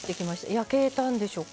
焼けたんでしょうか。